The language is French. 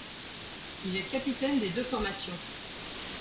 Il est capitaine des deux formations.